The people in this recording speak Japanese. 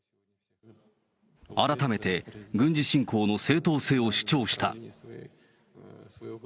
改めて軍事侵攻の正当性を主張した。